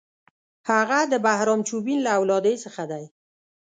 هغه د بهرام چوبین له اولادې څخه دی.